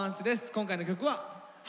今回の曲は？